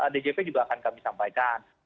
djp juga akan kami sampaikan